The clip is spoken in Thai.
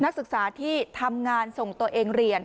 นักศึกษาที่ทำงานส่งตัวเองเรียน